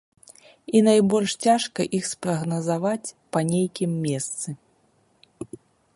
І найбольш цяжка іх спрагназаваць па нейкім месцы.